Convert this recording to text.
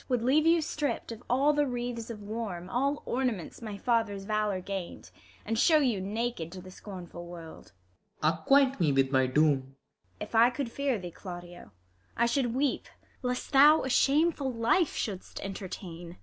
Would leave you stript of all the wreaths of war, All ornaments my father's valour gain'd, And shew you naked to the scornful world. Claud. Acquaint me with my doom. ISAB. If I could fear thee, Claudio, I should weep Lest thou a shameful life shouldst entertain.